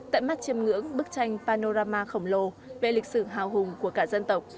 tại mắt chiêm ngưỡng bức tranh panorama khổng lồ về lịch sử hào hùng của cả dân tộc